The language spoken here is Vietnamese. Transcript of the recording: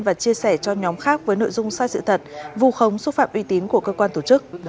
và chia sẻ cho nhóm khác với nội dung sai sự thật vù khống xúc phạm uy tín của cơ quan tổ chức